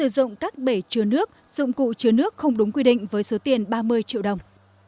và dụng cụ chứa nước không đúng quy định với số tiền ba mươi triệu đồng